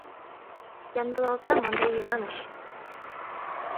— Ямдылалтам, Андрей Иваныч.